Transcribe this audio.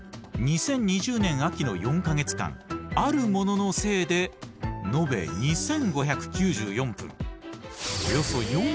２０２０年秋の４か月間あるもののせいでそこで問題。